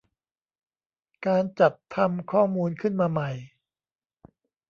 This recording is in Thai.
การจัดทำข้อมูลขึ้นมาใหม่